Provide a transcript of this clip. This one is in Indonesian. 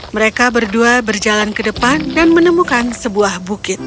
mereka berdua berjalan ke depan dan menemukan sebuah bukit